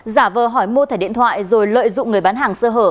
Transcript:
giả vờ hỏi mua thẻ điện thoại rồi lợi dụng người bán hàng sơ hở